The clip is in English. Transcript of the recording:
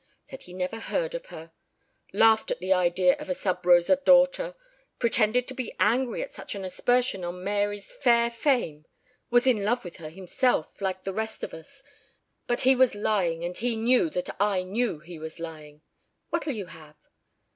Said he never heard of her. Laughed at the idea of a sub rosa daughter. Pretended to be angry at such an aspersion on Mary's fair fame was in love with her himself like the rest of us. But he was lying and he knew that I knew he was lying. What'll you have?"